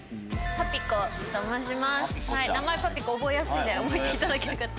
パピコ覚えやすいんで覚えていただけるかと。